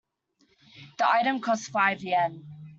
The item costs five Yen.